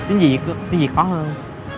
tiếng việt tiếng việt khó hơn